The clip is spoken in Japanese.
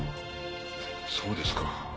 そうですか。